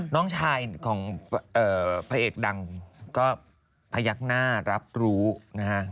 น้องชายของพระเอกดังก็พยักหน้ารับรู้นะฮะ